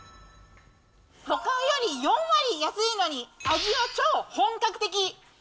ほかより４割安いのに、味は超本格的。